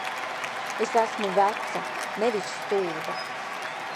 Es esmu veca, nevis stulba!